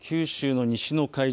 九州の西の海上